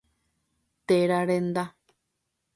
Téra renda.